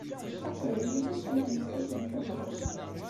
D taqbaylit i kent-yettaken tabɣest.